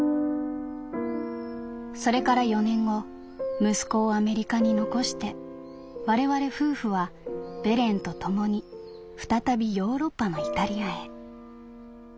それから４年後息子をアメリカに残して我々夫婦はベレンと共に再びヨーロッパのイタリアへ。